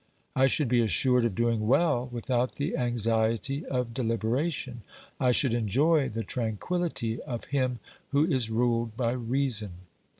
I should be assured of doing well without the anxiety of deliberation. I should enjoy the tranquillity of him who is ruled by reason."